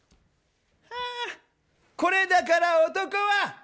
これだから男は。